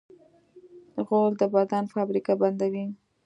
غول د بدن فابریکه بندوي.